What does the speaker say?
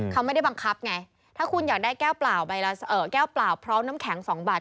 เขาไม่ได้บังคับไงถ้าคุณอยากได้แก้วเปล่าเพราะน้ำแข็ง๒บาท